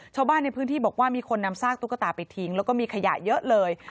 ชาวบ้านในพื้นที่บอกว่ามีคนนำซากตุ๊กตาไปทิ้งแล้วก็มีขยะเยอะเลย